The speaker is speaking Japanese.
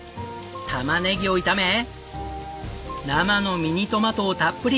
玉ネギを炒め生のミニトマトをたっぷり。